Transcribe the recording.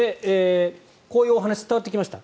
こういうお話が伝わってきました。